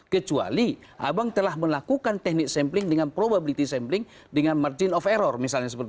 kecuali abang telah melakukan teknik sampling dengan probability sampling dengan margin of error misalnya